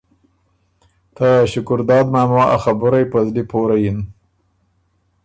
ته شکرداد ماما ا خبُرئ په زلی پوره یِن